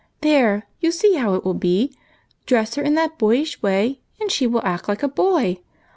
" There ! you see how it will be ; dress her in that boyish way and she will act like a boy.